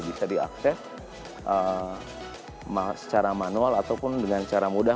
bisa diakses secara manual ataupun dengan cara mudah